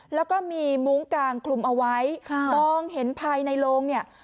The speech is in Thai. แล้วก็มีมุ้งกางคลุมเอาไว้ค่ะมองเห็นภายในโรงเนี่ย